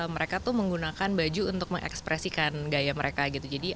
mereka tuh menggunakan baju untuk mengekspresikan gaya mereka gitu